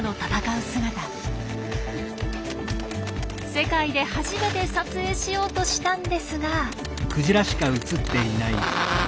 世界で初めて撮影しようとしたんですが。